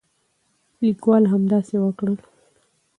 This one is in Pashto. لیکوال همداسې وکړل.